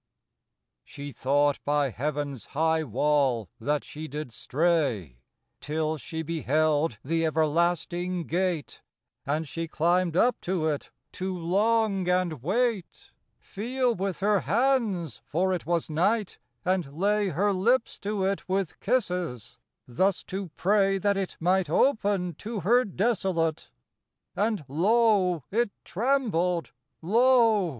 OHE thought by heaven's high wall that she did ^ stray Till she beheld the everlasting gate ; And she climbed up to it to long, and wait, Feel with her hands (for it was night,) and lay Her lips to it with kisses ; thus to pray That it might open to her desolate. And lo ! it trembled, lo